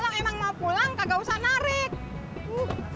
kalau emang mau pulang nggak usah narik